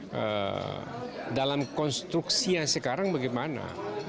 kita membuat gbhn dalam konstruksi yang sekarang bagaimana